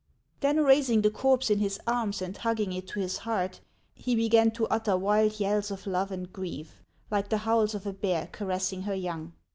Then raising the corpse in his arms and hugging it to his heart, he began to utter wild yells of love and grief, like the howls of a bear caressing her young.